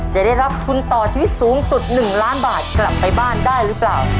จะได้รับทุนต่อชีวิตสูงสุด๑ล้านบาทกลับไปบ้านได้หรือเปล่า